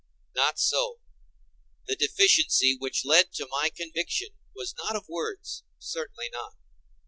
Not so; the deficiency which led to my conviction was not of words—certainly not.